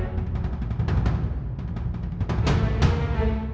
siva bisa ketemu sama papa lagi